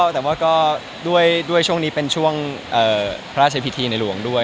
แต่ว่าก็ด้วยช่วงนี้เป็นช่วงพระราชพิธีในหลวงด้วย